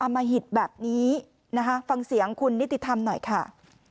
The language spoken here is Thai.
มหิตแบบนี้นะคะฟังเสียงคุณนิติธรรมหน่อยค่ะ